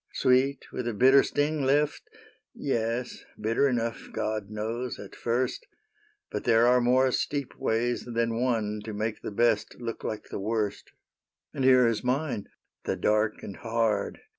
'' Sweet with a bitter sting left ?— Yes, Bitter enough, God knows, at first ; But there are more steep ways than one To make the best look like the worst ;" And here is mine — the dark and hard.